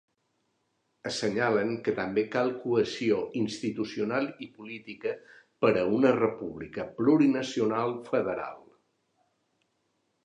Assenyalen que també cal cohesió institucional i política per a una república plurinacional federal.